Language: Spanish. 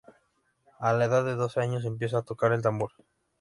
A la edad de doce años empieza a tocar el tambor.